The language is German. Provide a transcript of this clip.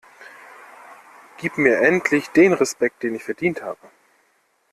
Gib mir endlich den Respekt den ich verdient habe!